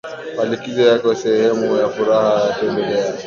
wa likizo yako Sehemu ya furaha ya kutembelea